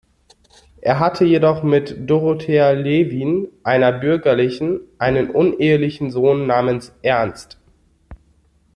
Er hatte jedoch mit Dorothea Levin, einer Bürgerlichen, einen unehelichen Sohn namens Ernst.